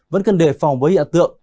vẫn cần đề phòng với hiện tượng